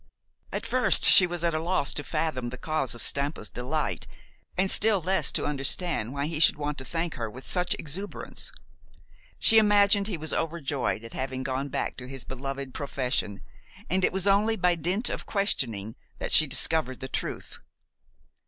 At first she was at a loss to fathom the cause of Stampa's delight, and still less to understand why he should want to thank her with such exuberance. She imagined he was overjoyed at having gone back to his beloved profession, and it was only by dint of questioning that she discovered the truth.